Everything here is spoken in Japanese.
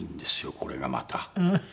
これがまた。